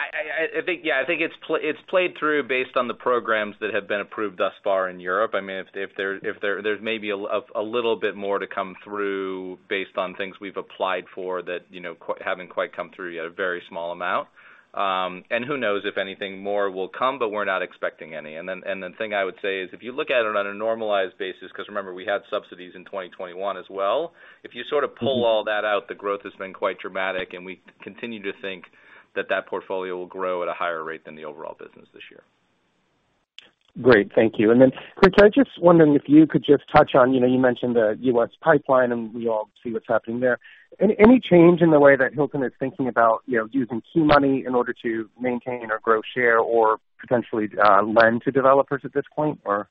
Yeah. I think, yeah, I think it's played through based on the programs that have been approved thus far in Europe. I mean, if there's maybe a little bit more to come through based on things we've applied for that, you know, haven't quite come through yet, a very small amount. Who knows if anything more will come, but we're not expecting any. Then, the thing I would say is, if you look at it on a normalized basis, 'cause remember, we had subsidies in 2021 as well, if you sort of pull all that out, the growth has been quite dramatic, and we continue to think that that portfolio will grow at a higher rate than the overall business this year. Great. Thank you. Then, Chris, I was just wondering if you could just touch on, you know, you mentioned the U.S. pipeline, and we all see what's happening there. Any change in the way that Hilton is thinking about, you know, using key money in order to maintain or grow share or potentially lend to developers at this point, or?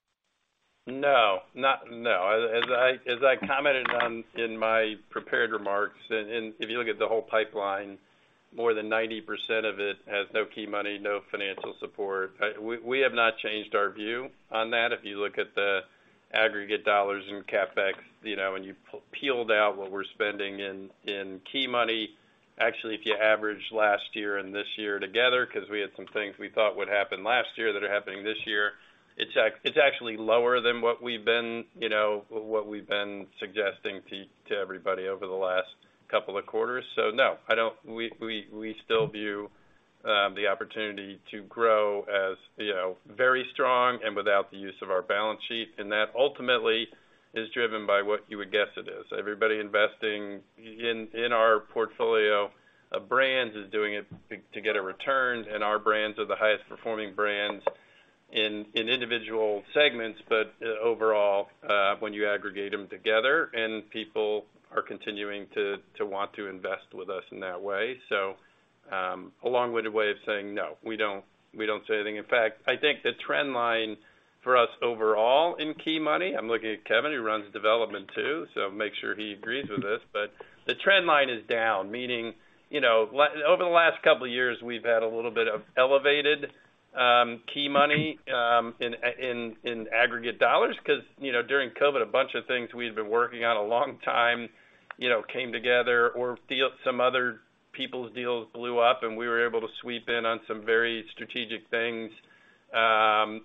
No, not, no. As I commented on in my prepared remarks, and if you look at the whole pipeline, more than 90% of it has no key money, no financial support. We have not changed our view on that. If you look at the aggregate dollars in CapEx, you know, and you peeled out what we're spending in key money, actually, if you average last year and this year together, 'cause we had some things we thought would happen last year that are happening this year, it's actually lower than what we've been, you know, what we've been suggesting to everybody over the last couple of quarters. No, I don't... We still view the opportunity to grow as, you know, very strong without the use of our balance sheet, that ultimately is driven by what you would guess it is. Everybody investing in our portfolio of brands is doing it to get a return, our brands are the highest performing brands in individual segments. Overall, when you aggregate them together and people are continuing to want to invest with us in that way. A long-winded way of saying, no, we don't see anything. In fact, I think the trend line for us overall in key money, I'm looking at Kevin, who runs development too, so make sure he agrees with this. The trend line is down, meaning, you know, over the last couple of years, we've had a little bit of elevated key money in aggregate dollars 'cause, you know, during COVID, a bunch of things we had been working on a long time, you know, came together or some other people's deals blew up, and we were able to sweep in on some very strategic things,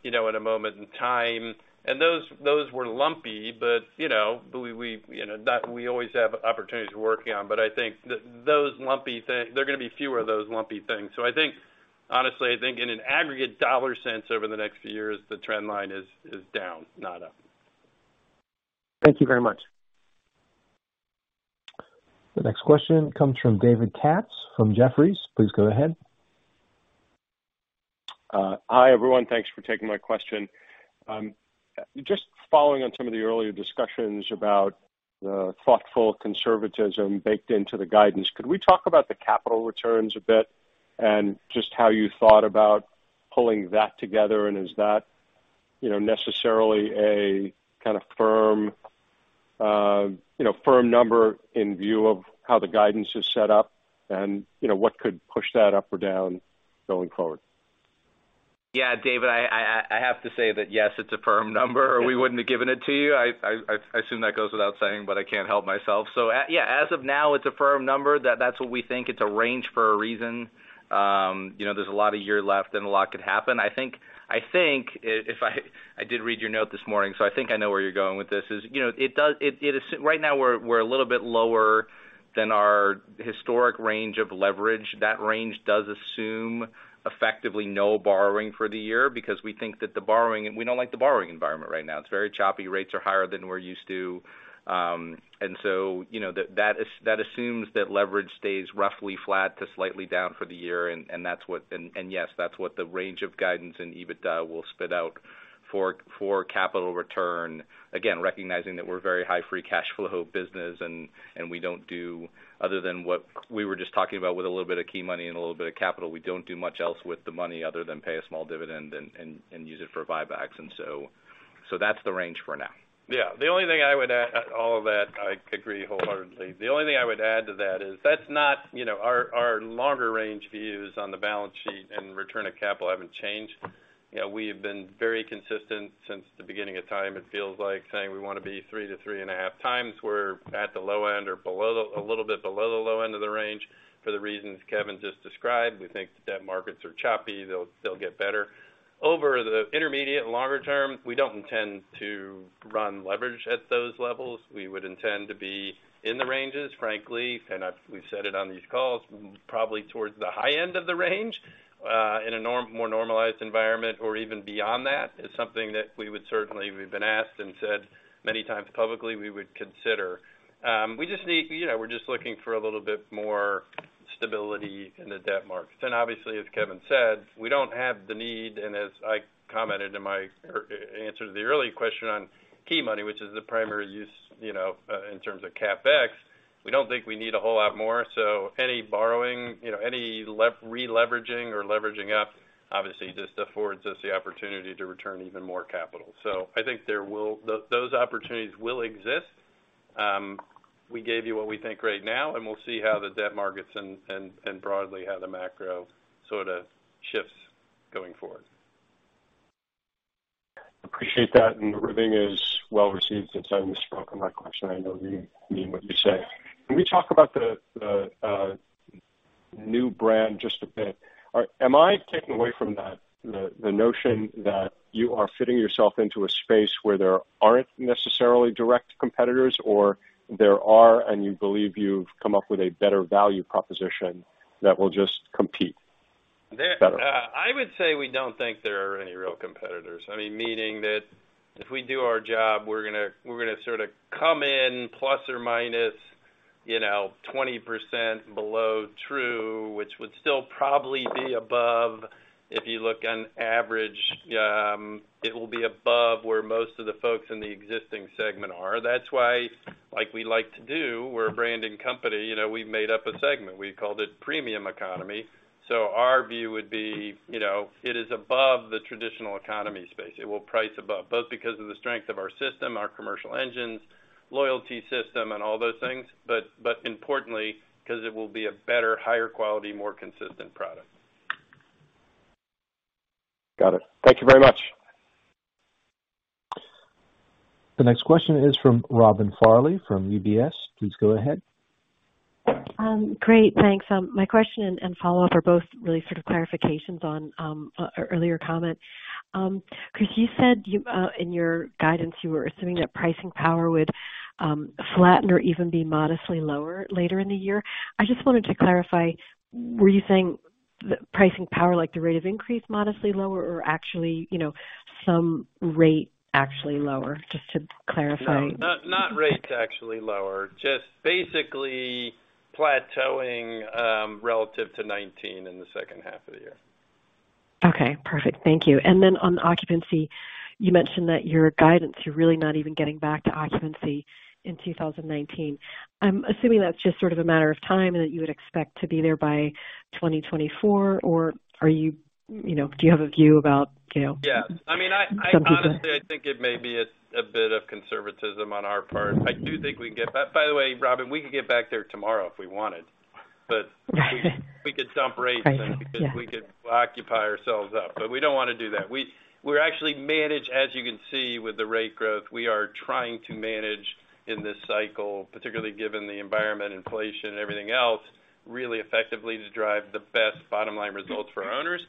you know, at a moment in time. Those were lumpy, but, you know, we, you know, that we always have opportunities we're working on. I think those lumpy things, they're gonna be fewer of those lumpy things. I think, honestly, I think in an aggregate dollar sense over the next few years, the trend line is down, not up. Thank you very much. The next question comes from David Katz from Jefferies. Please go ahead. Hi, everyone. Thanks for taking my question. Just following on some of the earlier discussions about the thoughtful conservatism baked into the guidance. Could we talk about the capital returns a bit and just how you thought about pulling that together? Is that, you know, necessarily a kind of firm, you know, firm number in view of how the guidance is set up? You know, what could push that up or down going forward? Yeah, David, I have to say that, yes, it's a firm number. We wouldn't have given it to you. I assume that goes without saying. I can't help myself. Yeah, as of now, it's a firm number. That's what we think. It's a range for a reason. You know, there's a lot of year left and a lot could happen. I think if I did read your note this morning. I think I know where you're going with this is, you know, it is right now we're a little bit lower than our historic range of leverage. That range does assume effectively no borrowing for the year because we think that the borrowing. We don't like the borrowing environment right now. It's very choppy. Rates are higher than we're used to. You know, that assumes that leverage stays roughly flat to slightly down for the year. Yes, that's what the range of guidance and EBITDA will spit out for capital return. Again, recognizing that we're very high free cash flow business and we don't do, other than what we were just talking about with a little bit of key money and a little bit of capital, we don't do much else with the money other than pay a small dividend and use it for buybacks. That's the range for now. Yeah. The only thing I would add to all of that, I agree wholeheartedly. The only thing I would add to that is that's not, you know, our longer range views on the balance sheet and return of capital haven't changed. You know, we have been very consistent since the beginning of time, it feels like, saying we wanna be 3x-5.5x. We're at the low end or a little bit below the low end of the range for the reasons Kevin just described. We think that markets are choppy. They'll get better. Over the intermediate and longer term, we don't intend to run leverage at those levels. We would intend to be in the ranges, frankly, and we've said it on these calls, probably towards the high end of the range, in a more normalized environment or even beyond that. It's something that we would certainly, we've been asked and said many times publicly we would consider. We just need, you know, we're just looking for a little bit more stability in the debt markets. Obviously, as Kevin said, we don't have the need, and as I commented in my answer to the earlier question on key money, which is the primary use, you know, in terms of CapEx, we don't think we need a whole lot more. Any borrowing, you know, any re-leveraging or leveraging up, obviously, just affords us the opportunity to return even more capital. I think those opportunities will exist. We gave you what we think right now, and we'll see how the debt markets and broadly how the macro sorta shifts going forward. Appreciate that. Everything is well received since I misspoke on my question. I know you mean what you say. Can we talk about the new brand just a bit? Am I taking away from that the notion that you are fitting yourself into a space where there aren't necessarily direct competitors, or there are, and you believe you've come up with a better value proposition that will just compete better? I would say we don't think there are any real competitors. I mean, meaning that if we do our job, we're gonna sorta come in ± 20% below Tru, which would still probably be above, if you look on average, it will be above where most of the folks in the existing segment are. That's why, like we like to do, we're a branding company, you know, we've made up a segment. We've called it premium economy. Our view would be, you know, it is above the traditional economy space. It will price above, both because of the strength of our system, our commercial engines, loyalty system, and all those things, but importantly, 'cause it will be a better, higher quality, more consistent product. Got it. Thank you very much. The next question is from Robin Farley from UBS. Please go ahead. Great, thanks. My question and follow-up are both really sort of clarifications on earlier comments. Chris, you said you in your guidance, you were assuming that pricing power would flatten or even be modestly lower later in the year. I just wanted to clarify, were you saying the pricing power, like the rate of increase modestly lower or actually, you know, some rate actually lower? Just to clarify. No. Not rates actually lower, just basically plateauing, relative to 2019 in the second half of the year. Okay. Perfect. Thank you. On the occupancy, you mentioned that your guidance, you're really not even getting back to occupancy in 2019. I'm assuming that's just sort of a matter of time and that you would expect to be there by 2024. Are you know, do you have a view about? Yeah. I mean, I honestly, I think it may be a bit of conservatism on our part. I do think we can get that. By the way, Robin, we could get back there tomorrow if we wanted. We could dump rates. I know. Yeah. We could occupy ourselves up. We don't wanna do that. We're actually manage, as you can see with the rate growth, we are trying to manage in this cycle, particularly given the environment, inflation and everything else, really effectively to drive the best bottom line results for our owners.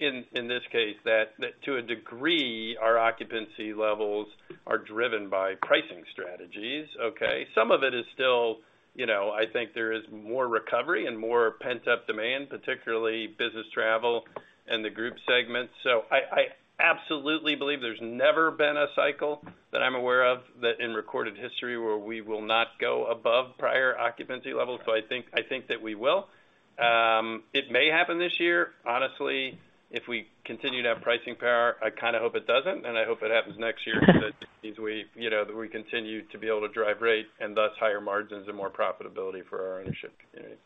In this case that, to a degree, our occupancy levels are driven by pricing strategies. Okay? Some of it is still, you know, I think there is more recovery and more pent-up demand, particularly business travel and the group segment. I absolutely believe there's never been a cycle that I'm aware of that in recorded history where we will not go above prior occupancy levels. I think that we will. It may happen this year. Honestly, if we continue to have pricing power, I kinda hope it doesn't, and I hope it happens next year because it means we, you know, that we continue to be able to drive rate and thus higher margins and more profitability for our ownership community.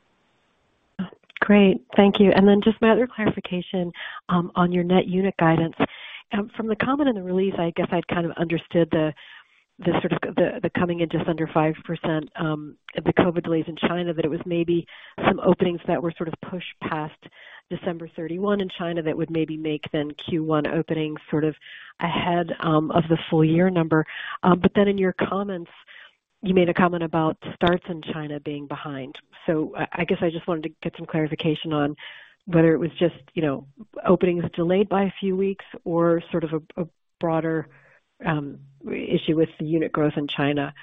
Great. Thank you. Just my other clarification on your net unit guidance. From the comment in the release, I guess I'd kind of understood the sort of the coming in just under 5%, the COVID delays in China, that it was maybe some openings that were sort of pushed past December 31 in China that would maybe make then Q1 opening sort of ahead of the full-year number. In your comments, you made a comment about starts in China being behind. I guess I just wanted to get some clarification on whether it was just, you know, openings delayed by a few weeks or sort of a broader issue with the unit growth in China,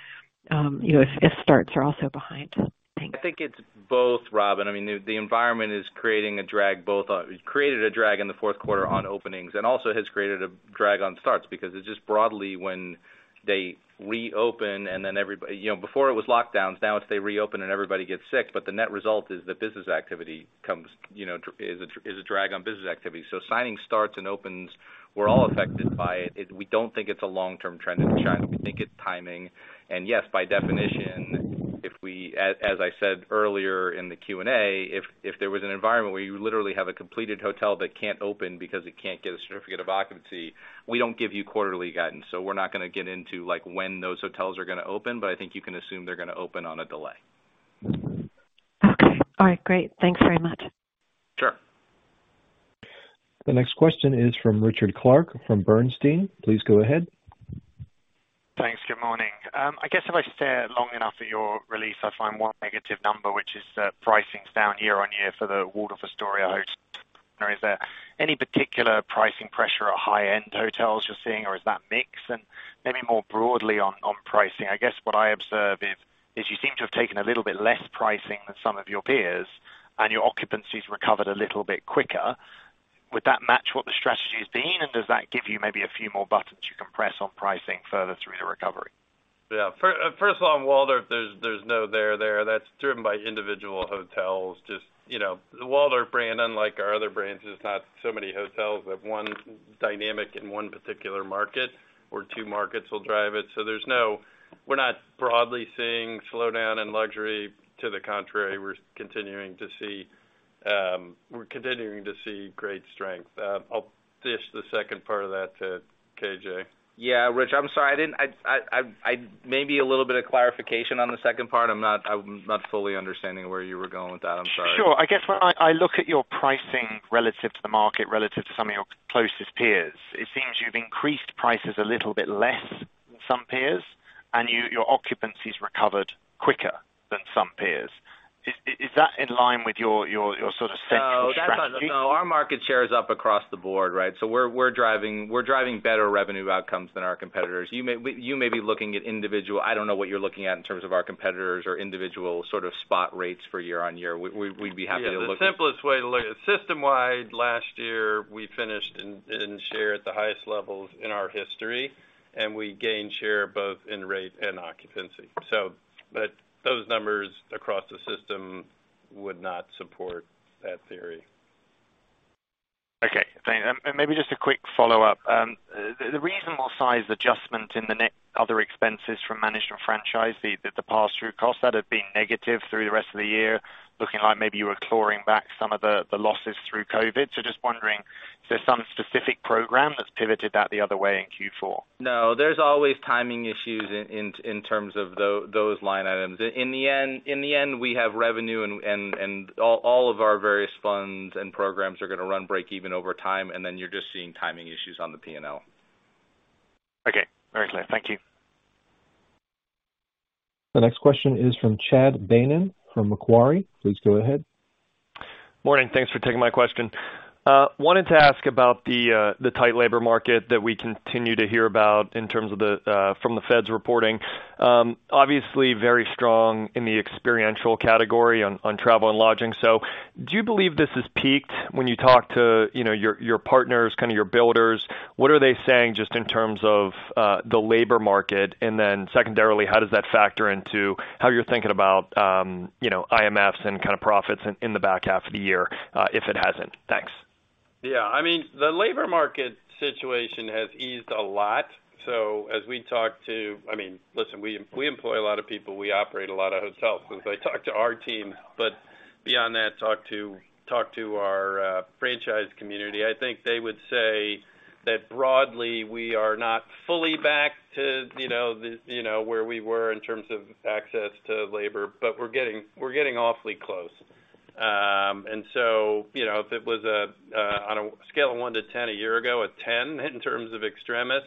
you know, if starts are also behind. Thanks. I think it's both, Robin. I mean, the environment is creating a drag both on. It created a drag in the fourth quarter on openings and also has created a drag on starts because it just broadly when they reopen and then you know, before it was lockdowns, now it's they reopen and everybody gets sick, but the net result is that business activity comes, you know, is a drag on business activity. So signing starts and opens, we're all affected by it. We don't think it's a long-term trend in China. We think it's timing. Yes, by definition, if we, as I said earlier in the Q&A, if there was an environment where you literally have a completed hotel that can't open because it can't get a certificate of occupancy, we don't give you quarterly guidance. We're not gonna get into like when those hotels are gonna open, but I think you can assume they're gonna open on a delay. Okay. All right. Great. Thanks very much. Sure. The next question is from Richard Clarke from Bernstein. Please go ahead. Thanks. Good morning. I guess if I stare long enough at your release, I find one negative number, which is the pricing's down year-on-year for the Waldorf Astoria? Is there any particular pricing pressure at high-end hotels you're seeing or is that mix? Maybe more broadly on pricing, I guess what I observe is you seem to have taken a little bit less pricing than some of your peers, your occupancy's recovered a little bit quicker. Would that match what the strategy has been, and does that give you maybe a few more buttons you can press on pricing further through the recovery? First of all, on Waldorf, there's no there there. That's driven by individual hotels. Just, you know, the Waldorf brand, unlike our other brands, is not so many hotels that one dynamic in one particular market or two markets will drive it. We're not broadly seeing slowdown in luxury. To the contrary, we're continuing to see great strength. I'll pitch the second part of that to KJ. Yeah, Rich, I'm sorry. I didn't. Maybe a little bit of clarification on the second part. I'm not fully understanding where you were going with that. I'm sorry. Sure. I guess when I look at your pricing relative to the market, relative to some of your closest peers, it seems you've increased prices a little bit less than some peers and your occupancy's recovered quicker than some peers. Is that in line with your sort of central strategy? No. Our market share is up across the board, right? We're driving better revenue outcomes than our competitors. You may be looking at individual, I don't know what you're looking at in terms of our competitors or individual sort of spot rates for year-over-year. We'd be happy to look at. Yeah. The simplest way to look at system-wide last year, we finished in share at the highest levels in our history, and we gained share both in rate and occupancy. But those numbers across the system would not support that theory. Okay. Thank you. maybe just a quick follow-up. The reasonable size adjustment in the net other expenses from managed and franchised, the pass-through cost, that had been negative through the rest of the year, looking like maybe you were clawing back some of the losses through COVID. Just wondering if there's some specific program that's pivoted that the other way in Q4. No. There's always timing issues in terms of those line items. In the end, in the end, we have revenue and all of our various funds and programs are gonna run break even over time, and then you're just seeing timing issues on the P&L. Okay. Very clear. Thank you. The next question is from Chad Beynon from Macquarie. Please go ahead. Morning. Thanks for taking my question. Wanted to ask about the tight labor market that we continue to hear about in terms of the from the Fed's reporting. Obviously very strong in the experiential category on travel and lodging. Do you believe this has peaked when you talk to, you know, your partners, kind of your builders? What are they saying just in terms of the labor market? Secondarily, how does that factor into how you're thinking about, you know, IMFs and kind of profits in the back half of the year, if it hasn't? Thanks. I mean, the labor market situation has eased a lot. I mean, listen, we employ a lot of people. We operate a lot of hotels. As I talk to our team, but beyond that, talk to our franchise community, I think they would say that broadly, we are not fully back to, you know, the, you know, where we were in terms of access to labor, but we're getting awfully close. You know, if it was a on a scale of 1 to 10 a year ago, a 10 in terms of extremis,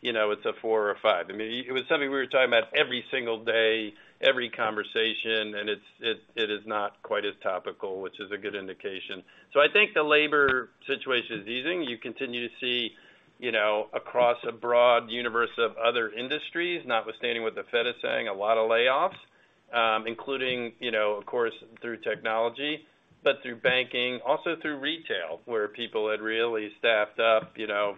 you know, it's a four or a five. I mean, it was something we were talking about every single day, every conversation, and it is not quite as topical, which is a good indication. I think the labor situation is easing. You continue to see, you know, across a broad universe of other industries, notwithstanding what the Fed is saying, a lot of layoffs, including, you know, of course, through technology, but through banking, also through retail, where people had really staffed up, you know,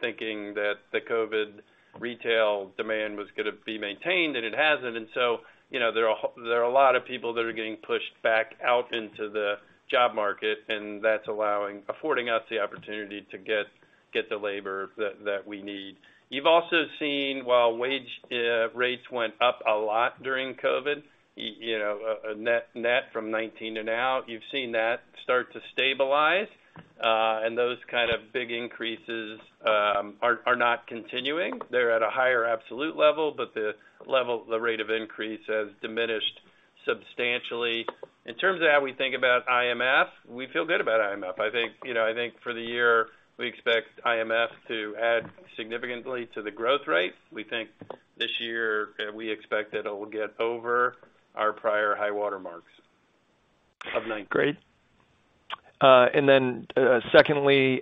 thinking that the COVID retail demand was gonna be maintained, and it hasn't. You know, there are a lot of people that are getting pushed back out into the job market, and that's affording us the opportunity to get the labor that we need. You've also seen while wage rates went up a lot during COVID, you know, a net from 19 to now, you've seen that start to stabilize, and those kind of big increases are not continuing. They're at a higher absolute level, but the rate of increase has diminished substantially. In terms of how we think about IMF, we feel good about IMF. I think, you know, for the year, we expect IMF to add significantly to the growth rate. We think this year, we expect that it will get over our prior high water marks of nine. Great. Secondly,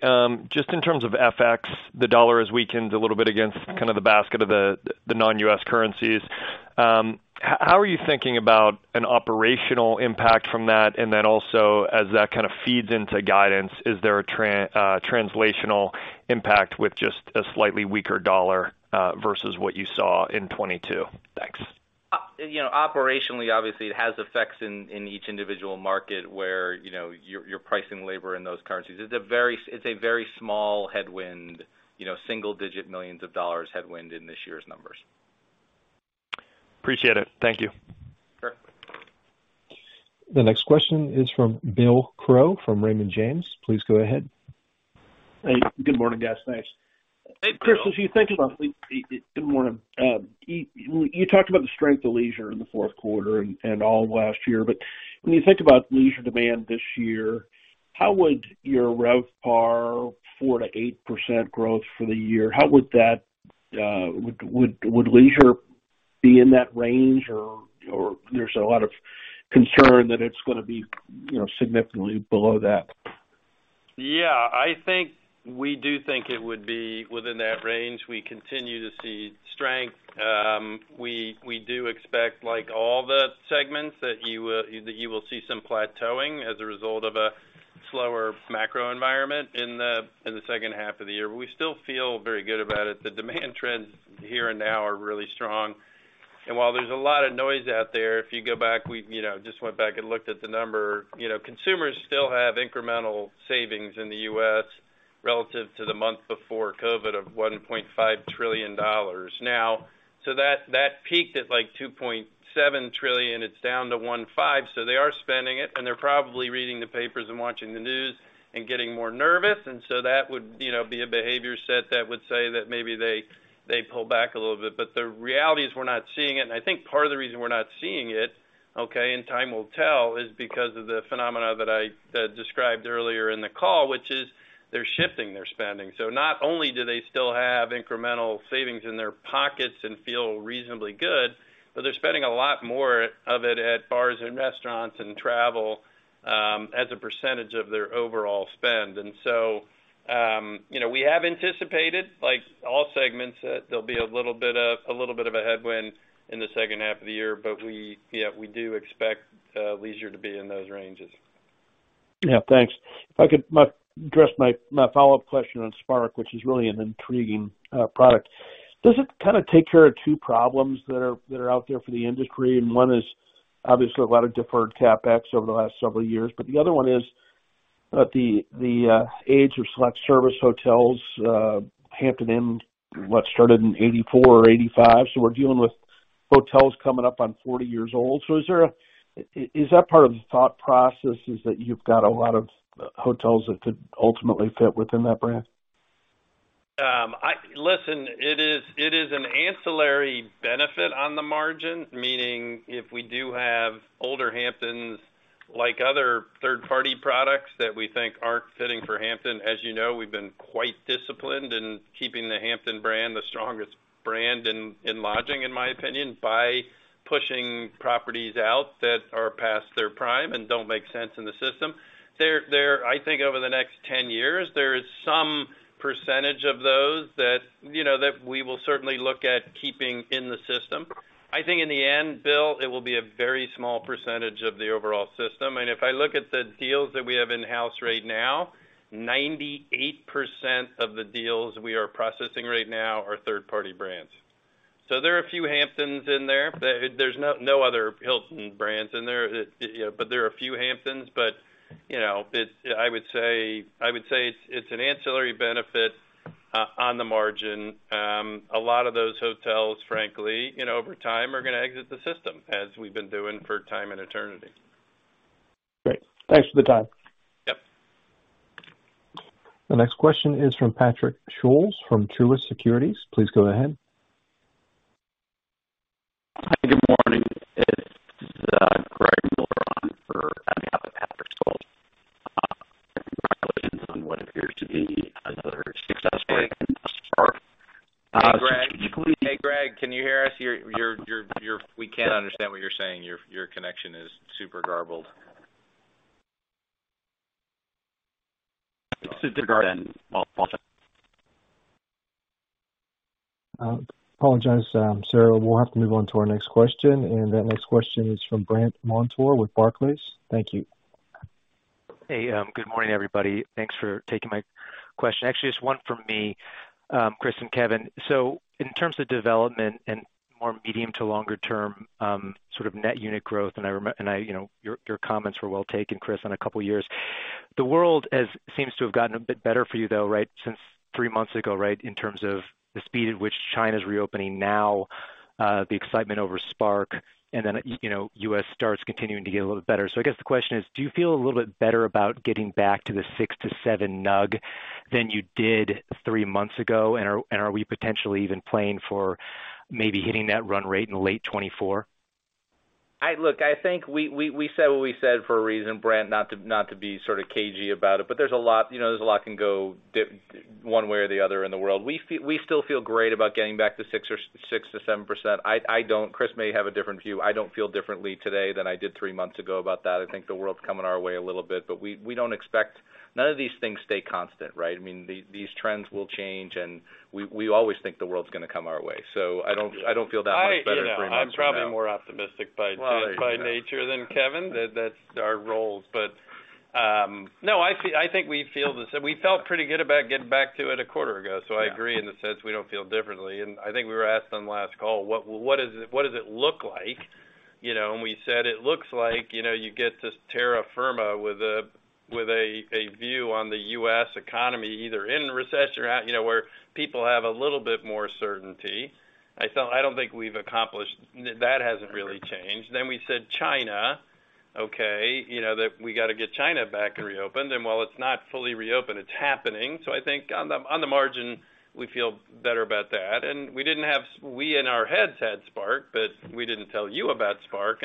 just in terms of FX, the dollar has weakened a little bit against kind of the basket of the non-U.S. currencies. How are you thinking about an operational impact from that? Also, as that kind of feeds into guidance, is there a translational impact with just a slightly weaker dollar, versus what you saw in 2022? Thanks. You know, operationally, obviously, it has effects in each individual market where, you know, you're pricing labor in those currencies. It's a very small headwind, you know, single-digit millions of dollars headwind in this year's numbers. Appreciate it. Thank you. Sure. The next question is from Bill Crow from Raymond James. Please go ahead. Hey, good morning, guys. Thanks. Hey, Bill. Chris, as you think about Good morning. You talked about the strength of leisure in the fourth quarter and all of last year. When you think about leisure demand this year, how would your RevPAR 4%-8% growth for the year, how would that leisure be in that range or there's a lot of concern that it's gonna be, you know, significantly below that? I think we do think it would be within that range. We continue to see strength. We do expect, like all the segments, that you will see some plateauing as a result of a slower macro environment in the second half of the year. We still feel very good about it. The demand trends here and now are really strong. While there's a lot of noise out there, if you go back, we've, you know, just went back and looked at the number. You know, consumers still have incremental savings in the U.S. relative to the month before COVID of $1.5 trillion. That peaked at, like, $2.7 trillion. It's down to $1.5 trillion. They are spending it, and they're probably reading the papers and watching the news and getting more nervous. That would, you know, be a behavior set that would say that maybe they pull back a little bit. The reality is we're not seeing it. I think part of the reason we're not seeing it, okay, and time will tell, is because of the phenomena that I described earlier in the call, which is they're shifting their spending. Not only do they still have incremental savings in their pockets and feel reasonably good, but they're spending a lot more of it at bars and restaurants and travel as a percentage of their overall spend. You know, we have anticipated, like all segments, that there'll be a little bit of, a little bit of a headwind in the second half of the year. We do expect leisure to be in those ranges. Yeah. Thanks. If I could address my follow-up question on Spark, which is really an intriguing product. Does it kinda take care of two problems that are out there for the industry? One is obviously a lot of deferred CapEx over the last several years, but the other one is the age of select service hotels, Hampton Inn, what started in 84 or 85. We're dealing with hotels coming up on 40 years old. Is that part of the thought process is that you've got a lot of hotels that could ultimately fit within that brand? Listen, it is an ancillary benefit on the margin, meaning if we do have older Hamptons like other third party products that we think aren't fitting for Hampton, as you know, we've been quite disciplined in keeping the Hampton brand the strongest brand in lodging, in my opinion, by pushing properties out that are past their prime and don't make sense in the system. There, I think over the next 10 years, there is some percentage of those that, you know, that we will certainly look at keeping in the system. I think in the end, Bill, it will be a very small percentage of the overall system. If I look at the deals that we have in-house right now, 98% of the deals we are processing right now are third party brands. There are a few Hamptons in there. There's no other Hilton brands in there, you know, but there are a few Hamptons. You know, I would say it's an ancillary benefit on the margin. A lot of those hotels, frankly, you know, over time, are gonna exit the system as we've been doing for time and eternity. Great. Thanks for the time. Yep. The next question is from Patrick Scholes from Truist Securities. Please go ahead. Hi, good morning. It's Greg Miller on behalf of Patrick Scholes. Congratulations on what appears to be another successful thus far. Hey, Greg, can you hear us? You're. We can't understand what you're saying. Your connection is super garbled. Apologize, sir. We'll have to move on to our next question. That next question is from Brandt Montour with Barclays. Thank you. Hey, good morning, everybody. Thanks for taking my question. Actually, just one from me, Chris and Kevin. In terms of development and more medium to longer term, sort of net unit growth, and I, you know, your comments were well taken, Chris, on a couple of years. The world seems to have gotten a bit better for you though, right? Since 3 months ago, right? In terms of the speed at which China's reopening now, the excitement over Spark and then, you know, U.S. starts continuing to get a little better. I guess the question is, do you feel a little bit better about getting back to the 6 to 7 NUG than you did 3 months ago? Are we potentially even playing for maybe hitting that run rate in late 2024? Look, I think we said what we said for a reason, Brandt, not to, not to be sort of cagey about it, but there's a lot, you know, there's a lot can go one way or the other in the world. We still feel great about getting back to 6% or 6%-7%. I don't. Chris may have a different view. I don't feel differently today than I did three months ago about that. I think the world's coming our way a little bit, but we don't expect none of these things stay constant, right? I mean, these trends will change, and we always think the world's gonna come our way. I don't feel that much better three months from now. I, you know, I'm probably more optimistic by nature than Kevin. That's our roles. No, I think we feel the same. We felt pretty good about getting back to it a quarter ago. I agree in the sense we don't feel differently. I think we were asked on last call, what is it, what does it look like, you know? We said it looks like, you know, you get this terra firma with a, with a view on the U.S. economy either in recession or out, you know, where people have a little bit more certainty. I don't think we've accomplished. That hasn't really changed. We said China, okay, you know that we gotta get China back and reopened. While it's not fully reopened, it's happening. I think on the, on the margin, we feel better about that. We in our heads had Spark, but we didn't tell you about Spark.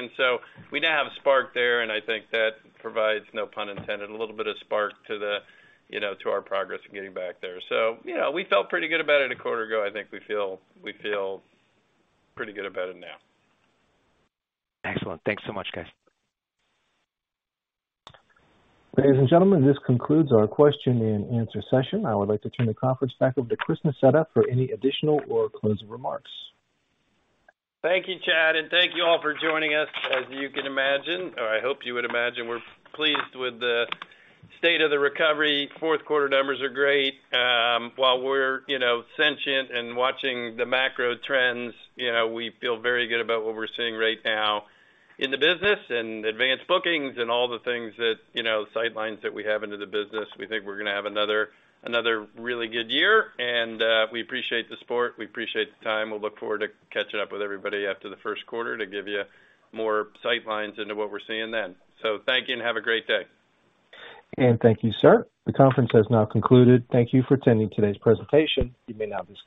We now have Spark there, and I think that provides, no pun intended, a little bit of spark to the, you know, to our progress in getting back there. You know, we felt pretty good about it a quarter ago. I think we feel pretty good about it now. Excellent. Thanks so much, guys. Ladies and gentlemen, this concludes our question and answer session. I would like to turn the conference back over to Chris Nassetta for any additional or closing remarks. Thank you, Chad, and thank you all for joining us. As you can imagine, or I hope you would imagine, we're pleased with the state of the recovery. Fourth quarter numbers are great. While we're, you know, sentient and watching the macro trends, you know, we feel very good about what we're seeing right now in the business and advanced bookings and all the things that, you know, sightlines that we have into the business. We think we're gonna have another really good year, and we appreciate the support. We appreciate the time. We'll look forward to catching up with everybody after the first quarter to give you more sightlines into what we're seeing then. Thank you, and have a great day. Thank you, sir. The conference has now concluded. Thank you for attending today's presentation. You may now disconnect.